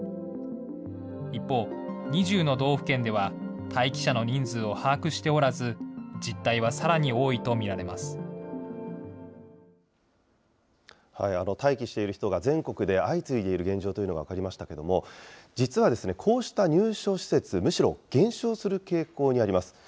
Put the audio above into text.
一方、２０の道府県では、待機者の人数を把握しておらず、実態は待機している人が全国で相次いでいる現状というのが分かりましたけれども、実は、こうした入所施設、むしろ減少する傾向にあります。